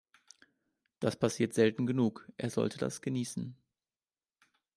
Das passiert selten genug, er sollte das genießen.